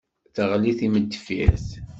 Teɣli d timendeffirt.